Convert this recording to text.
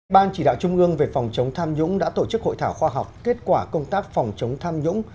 ban chỉ đạo trung ương về phòng chống tham nhũng đã tổ chức hội thảo khoa học kết quả công tác phòng chống tham nhũng